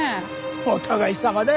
お互いさまだ。